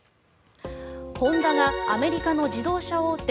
ホンダがアメリカの自動車大手